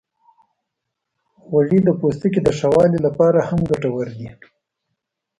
غوړې د پوستکي د ښه والي لپاره هم ګټورې دي.